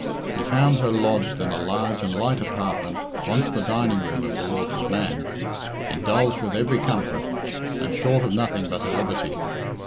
He found her lodged in a large and light apartment (once the dining room of the Lords of Man), indulged with every comfort, and short of nothing but her liberty.